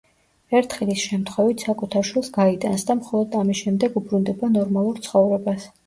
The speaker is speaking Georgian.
ერთხელ ის შემთხვევით საკუთარ შვილს გაიტანს და მხოლოდ ამის შემდეგ უბრუნდება ნორმალურ ცხოვრებას.